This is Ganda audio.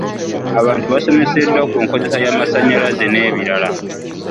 Abantu basomeseddwa ku nkozesa y'amasanyalaze n'ebirala.